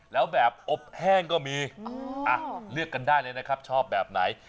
แล้วแบบอบแห้งก็มีเลือกกันได้เลยนะครับชอบแบบไหน